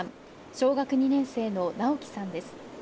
小学２年生の尚煌さんです。